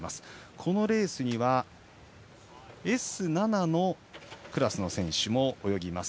このレースにはＳ７のクラスの選手も泳ぎます。